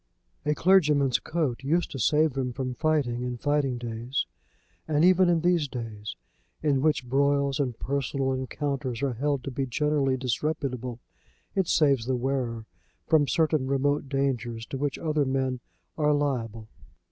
A clergyman's coat used to save him from fighting in fighting days; and even in these days, in which broils and personal encounters are held to be generally disreputable, it saves the wearer from certain remote dangers to which other men are liable.